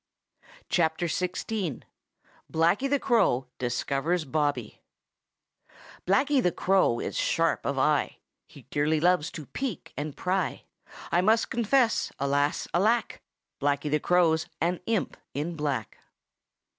XVI. BLACKY THE CROW DISCOVERS BOBBY Blacky the Crow is sharp of eye; He dearly loves to peek and pry. I must confess, alas! alack! Blacky the Crow's an imp in black.